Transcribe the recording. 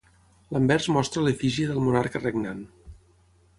L'anvers mostra l'efígie del monarca regnant.